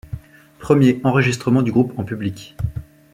Premier enregistrement du groupe en public.